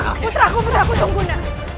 putraku putraku tunggu nari